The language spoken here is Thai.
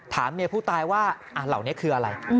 เมียผู้ตายว่าเหล่านี้คืออะไร